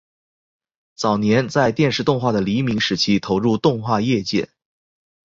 早年在电视动画的黎明时期投入动画业界。